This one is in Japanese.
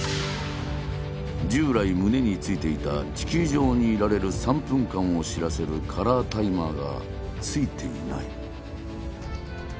従来胸に付いていた地球上にいられる３分間を知らせる「カラータイマー」が付いていない。